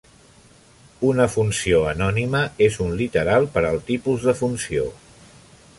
Una funció anònima és un literal per al tipus de funció.